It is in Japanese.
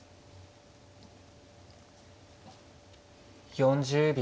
４０秒。